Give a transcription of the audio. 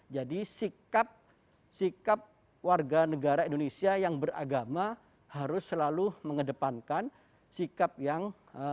jadi sikap warga negara indonesia yang beragama harus selalu mengedepankan sikap yang beragama